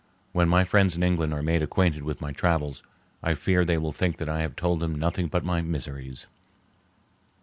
When my friends in England are made acquainted with my travels I fear they will think that I have told them nothing but my miseries....